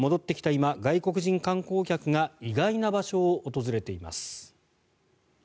今外国人観光客が意外な場所を訪れています。